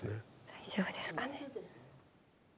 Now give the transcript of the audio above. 大丈夫ですかね。